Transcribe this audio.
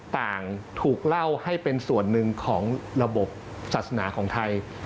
ต่างถูกเล่าให้เป็นส่วนหนึ่งของระบบศาสนาของไทย